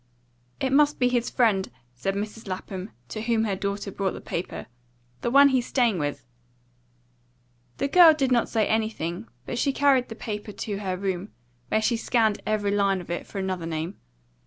"It must be his friend," said Mrs. Lapham, to whom her daughter brought the paper; "the one he's staying with." The girl did not say anything, but she carried the paper to her room, where she scanned every line of it for another name.